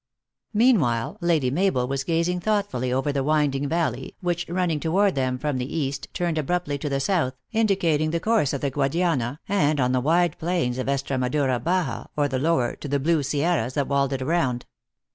Meanwhile, Lady Mabel was gazing thoughtfully over the winding valley, which running toward them from the East, turned abruptly to the South, indicat ing the course of the Guadiana, and on the wide plains of Estremadura ~baja, or the lower, to the blue THE ACTRESS IN HIGH LIFE. 273 sierras that walled it round.